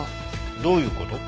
どういう事？